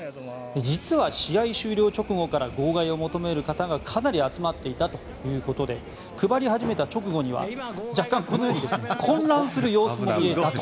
実は、試合終了直後から号外を求める方がかなり集まっていたということで配り始めた直後には若干、このように混乱する様子も見られたと。